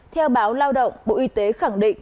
theo báo lao động bộ y tế khẳng định